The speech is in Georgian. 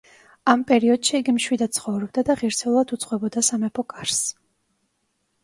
ამ პერიოდში იგი მშვიდად ცხოვრობდა და ღირსეულად უძღვებოდა სამეფო კარს.